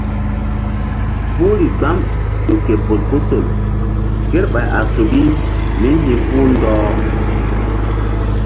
Puhri gbam ƴo ke bolkusol kerɓay a suki mí hi̧puh ɗɔh.